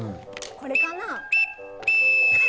これかな？